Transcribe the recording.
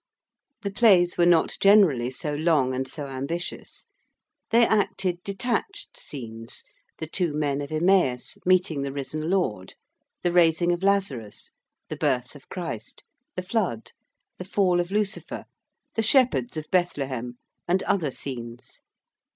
The plays were not generally so long and so ambitious. They acted detached scenes: the two men of Emmaus meeting the Risen Lord: the Raising of Lazarus: the Birth of Christ: the Flood: the Fall of Lucifer: the Shepherds of Bethlehem: and other scenes.